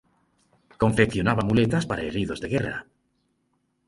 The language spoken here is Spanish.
Confeccionaba muletas para heridos de guerra.